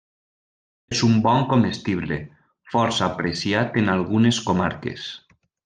És un bon comestible, força apreciat en algunes comarques.